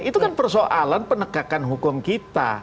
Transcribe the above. itu kan persoalan penegakan hukum kita